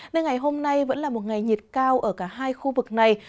nên ngày hôm nay vẫn là một ngày nhiệt cao ở cả hai khu vực này